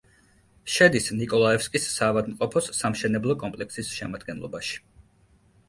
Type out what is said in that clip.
შედის ნიკოლაევსკის საავადმყოფოს სამშენებლო კომპლექსის შემადგენლობაში.